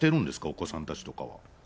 お子さんたちとかは。